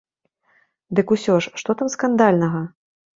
Дык усё ж, што там скандальнага?